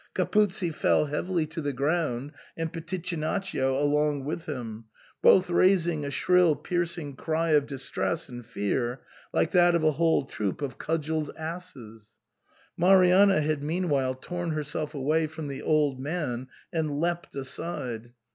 Capuzzi fell heavily to the ground and Pitichinaccio along with him, both raising a shrill piercing cry of distress and fear, like that of a whole troop of cudgelled asses. Marianna had meanwhile torn herself away from the old man and leapt aside.